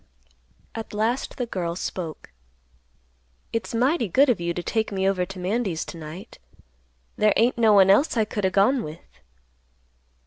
At last the girl spoke, "It's mighty good of you to take me over to Mandy's to night. There ain't no one else I could o' gone with."